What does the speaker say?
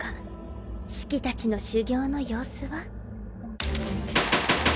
シキたちの修行の様子は？